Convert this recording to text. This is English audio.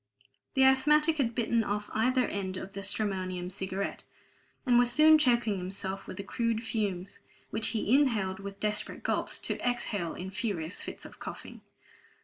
The asthmatic had bitten off either end of the stramonium cigarette, and was soon choking himself with the crude fumes, which he inhaled in desperate gulps, to exhale in furious fits of coughing.